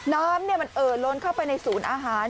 น้ำมันเอ่อล้นเข้าไปในศูนย์อาหาร